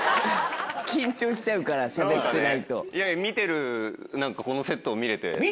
見てる何かこのセットを見れて。